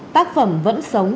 tác phẩm vẫn sống